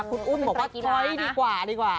คุณอุ้มบอกว่าถอยดีกว่าดีกว่า